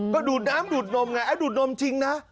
ก็ดูดน้ำดูดนมไงดูดนมจริงนะ